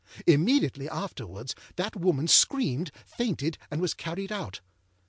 Immediately afterwards that woman screamed, fainted, and was carried out.